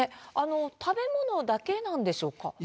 食べ物だけなんでしょうか。